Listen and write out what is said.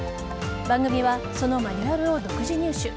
番組はそのマニュアルを独自入手。